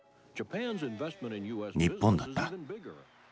日本だった。